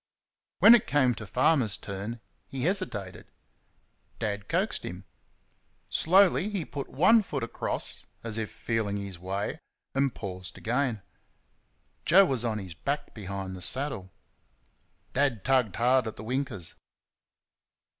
When it came to Farmer's turn he hesitated. Dad coaxed him. Slowly he put one leg across, as if feeling his way, and paused again. Joe was on his back behind the saddle. Dad tugged hard at the winkers.